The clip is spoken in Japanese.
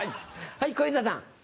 はい小遊三さん。